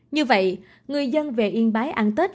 như vậy người dân về yên bái ăn tết